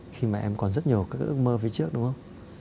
khi mà em còn rất nhiều ước mơ phía trước đúng không